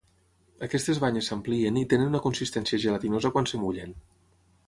Aquestes banyes s'amplien i tenen una consistència gelatinosa quan es mullen.